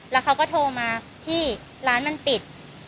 แล้วเขาก็โทรมาพี่ร้านมันปิด